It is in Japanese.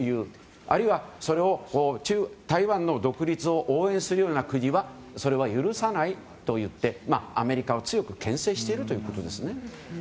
あるいは、台湾の独立を応援するような国はそれは許さないと言ってアメリカを強くけん制しているということです。